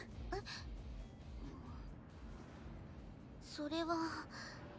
それは。